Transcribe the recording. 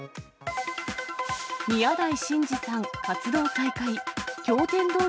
宮台真司さん活動再開。